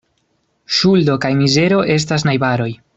Ŝuldo kaj mizero estas najbaroj.